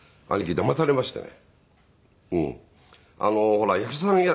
だまされましてね。